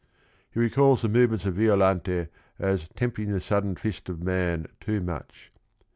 He recalls the movements of Violante as "tempting the sudden fist of man too much."